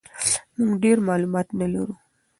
موږ ډېر معلومات نه لرو.